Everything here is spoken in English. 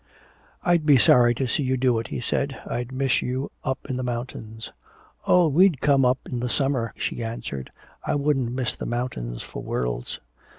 "I'd be sorry to see you do it," he said. "I'd miss you up in the mountains." "Oh, we'd come up in the summer," she answered. "I wouldn't miss the mountains for worlds!"